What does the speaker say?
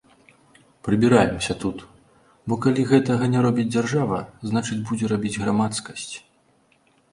Прыбіраемся тут, бо калі гэтага не робіць дзяржава, значыць будзе рабіць грамадскасць.